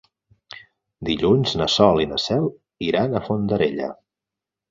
Dilluns na Sol i na Cel iran a Fondarella.